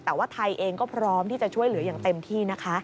แต่ว่าไทยเองก็พร้อมที่จะช่วยเหลืออย่างเต็มที่นะคะ